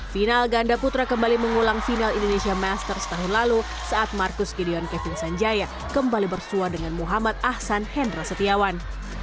final ganda putra kembali mengulang final indonesia masters tahun lalu saat marcus gideon kevin sanjaya kembali bersuah dengan muhammad ahsan hendra setiawan